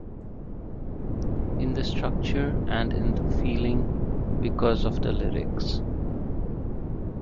In the structure and in the feeling because of the lyrics.